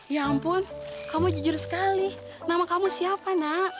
ya ampun kamu jujur sekali nama kamu siapa nak